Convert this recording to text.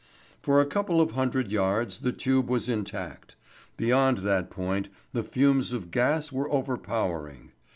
For a couple of hundred yards the tube was intact; beyond that point the fumes of gas were overpowering.